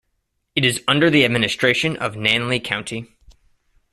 It is under the administration of Nanle County.